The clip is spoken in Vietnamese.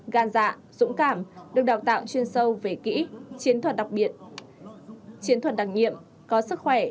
gan dạ dũng cảm được đào tạo chuyên sâu về kỹ chiến thuật đặc biệt chiến thuật đặc nhiệm có sức khỏe